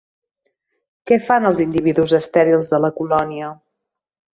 Què fan els individus estèrils de la colònia?